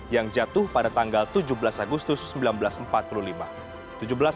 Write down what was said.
yang jatuh pada tanggal tujuh belas agustus seribu sembilan ratus empat puluh lima